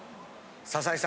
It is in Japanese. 篠井さん